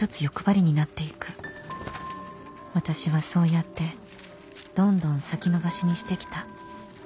私はそうやってどんどん先延ばしにしてきた